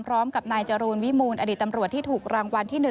พร้อมกับนายจรูลวิมูลอดีตตำรวจที่ถูกรางวัลที่๑